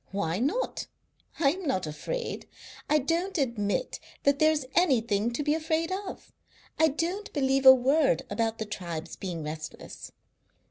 Why not? I am not afraid. I don't admit that there is anything to be afraid of. I don't believe a word about the tribes being restless.